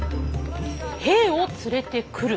兵を連れてくる。